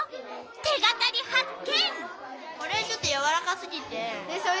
手がかり発見！